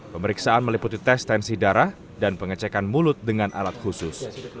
pemeriksaan meliputi tes tensi darah dan pengecekan mulut dengan alat khusus